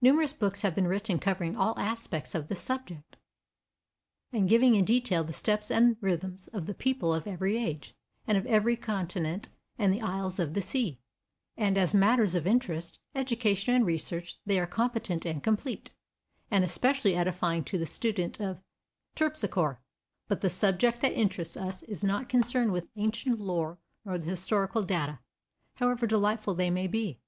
Numerous books have been written covering all aspects of this subject, and giving in detail the steps and rhythms of the people of every age, and of every continent and the isles of the sea; and as matters of interest, education and research they are competent and complete, and especially edifying to the student of Terpsichore. But the subject that interests us is not concerned with ancient lore nor with historical data, however delightful they may be.